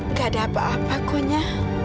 gak ada apa apa konya